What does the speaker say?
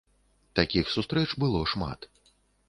Такіх сустрэч было шмат.